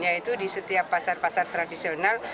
yaitu di setiap pasar pasar tradisional